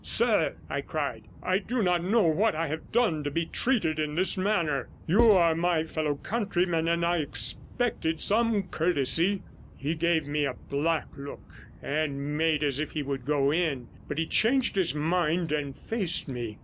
'Sir,' I cried, 'I do not know what I have done to be treated in this manner. You are my fellow countryman and I expected some courtesy.' 26 He gave me a black look and made as if he would go in, but he changed his mind and faced me.